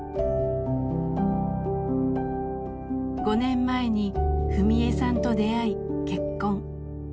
５年前に史恵さんと出会い結婚。